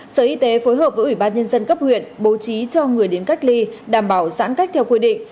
sở y tế phối hợp với ubnd cấp huyện bố trí cho người đến cách ly đảm bảo giãn cách theo quy định